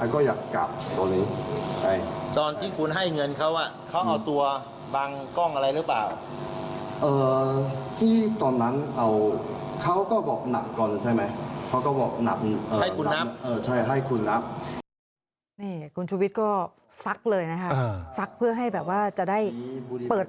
ก็อยากกลับตรงนี้